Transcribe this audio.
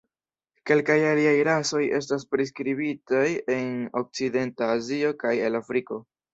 Kelkaj aliaj rasoj estas priskribitaj en Okcidenta Azio kaj el Afriko.